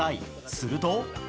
すると。